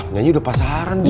nyanyi udah pasaran tuh